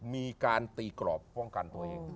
มีการตีกรอบป้องกันตัวเอง